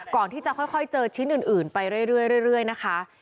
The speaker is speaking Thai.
ก่อนที่จะค่อยเจอชิ้นอื่นไปเรื่อยนะคะ